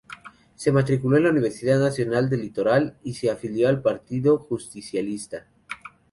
Se matriculó en la Universidad Nacional del Litoral, y se afilió al Partido Justicialista.